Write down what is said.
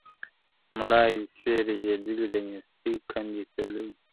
مړاوي سوي رژېدلي د نېستۍ کندي ته تللي ,